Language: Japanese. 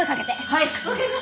はい！